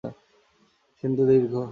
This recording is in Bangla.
সিন্ধু দীর্ঘ।